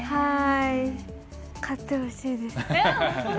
勝ってほしいです。